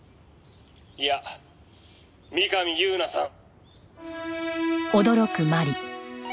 「いや三上夕菜さん」